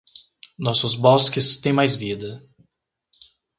Nossos bosques têm mais vida